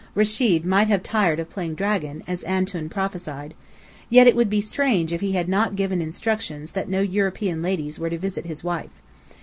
Rechid might have tired of playing dragon, as Antoun prophesied; yet it would be strange if he had not given instructions that no European ladies were to visit his wife.